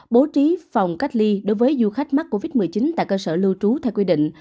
bố trí phòng cách ly đối với du khách mắc covid một mươi chín tại cơ sở lưu trú theo quy định